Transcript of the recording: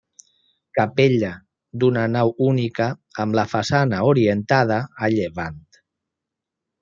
Capella d'una nau única amb la façana orientada a llevant.